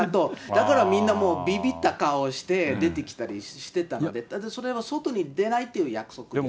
だからみんなもう、びびった顔をして出てきたりしてたんで、でも、それは外に出ないっていう約束で。